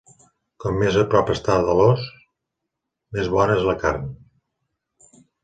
Com més a prop està de l'os, més bona és la carn.